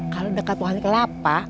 kalau dekat pohon kelapa